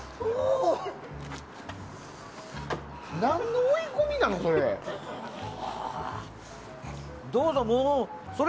何の追い込みなん、それ。